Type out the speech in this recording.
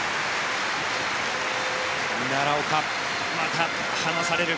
奈良岡、また離される。